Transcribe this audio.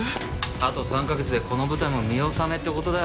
あと３カ月でこの舞台も見納めって事だ。